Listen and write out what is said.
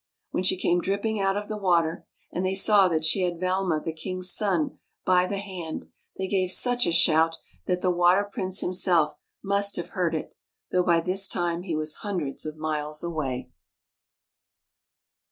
When she came dripping out of the water, and they saw that she had Valma, the king's son, by the hand, they gave such a shout that the Water Prince himself must have heard it, though by this time he was hundreds of miles away.